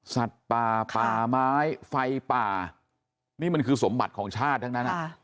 สัตว์ป่าป่าไม้ไฟป่านี่มันคือสมบัติของชาติทั้งนั้น